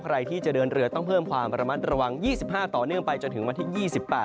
ใครที่จะเดินเรือต้องเพิ่มความระมัดระวัง๒๕ต่อเนื่องไปจนถึงวันที่๒๘